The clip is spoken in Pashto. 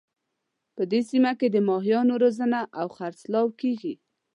په دې سیمه کې د ماهیانو روزنه او خرڅلاو کیږي